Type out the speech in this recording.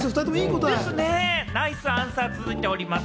ナイスアンサーは続いております。